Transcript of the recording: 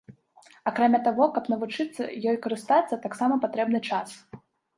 Акрамя таго, каб навучыцца ёй карыстацца, таксама патрэбны час.